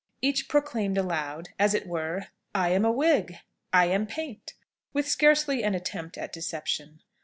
Each proclaimed aloud, as it were, "I am wig!" "I am paint!" with scarcely an attempt at deception.